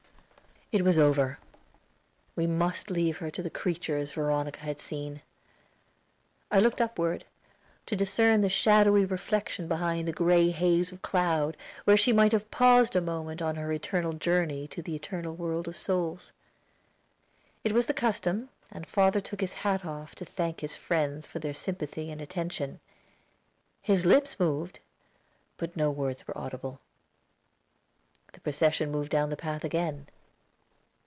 It was over. We must leave her to the creatures Veronica had seen. I looked upward, to discern the shadowy reflection behind the gray haze of cloud, where she might have paused a moment on her eternal journey to the eternal world of souls. It was the custom, and father took his hat off to thank his friends for their sympathy and attention. His lips moved, but no words were audible. The procession moved down the path again.